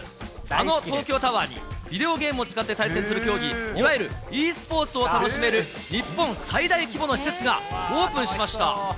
あの東京タワーにビデオゲームを使って対戦する競技、いわゆるｅスポーツを楽しめる日本最大規模の施設がオープンしました。